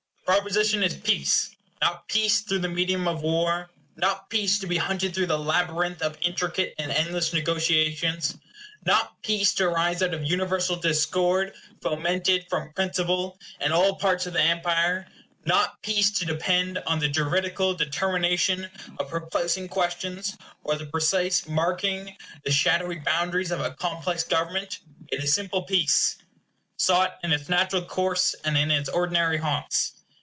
The proposition is peace. Not peace through the medium of war; not peace to be hunted through the labyrinth of intricate and endless negotiations; not peace to arise out of universal discord fomented, from principle, in all parts of the Empire, not peace to depend on the juridical determination of perplexing questions, or the precise marking the shadowy boundaries of a complex government. It is simple peace; sought in its natural course, and in its ordinary haunts.